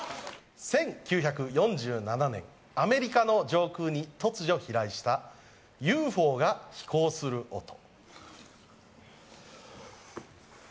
１９４７年、アメリカの上空に突如飛来したＵＦＯが飛行する音。